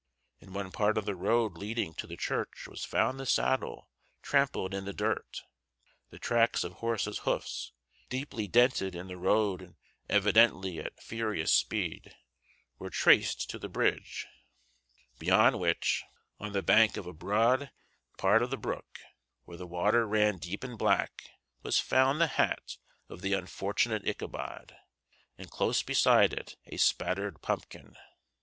In one part of the road leading to the church was found the saddle trampled in the dirt; the tracks of horses' hoofs, deeply dented in the road and evidently at furious speed, were traced to the bridge, beyond which, on the bank of a broad part of the brook, where the water ran deep and black, was found the hat of the unfortunate Ichabod, and close beside it a spattered pumpkin.